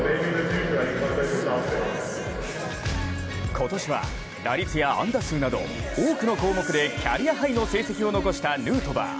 今年は打率や安打数など多くの項目でキャリアハイの成績を残したヌートバー。